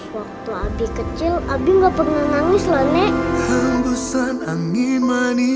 waktu abi kecil abi gak pernah nangis loh ne